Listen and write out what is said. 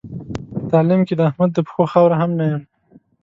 په تعلیم کې د احمد د پښو خاوره هم نه یم.